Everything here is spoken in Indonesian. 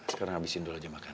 sekarang habisin dulu aja makan